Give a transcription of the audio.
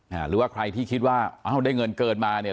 หรือว่าใครที่คิดว่าอ้าวได้เงินเกินมาเนี่ย